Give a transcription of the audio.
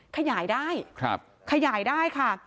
ขยายได้ขยายได้ค่ะ